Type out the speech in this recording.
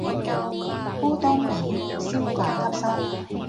烏冬易於消化吸收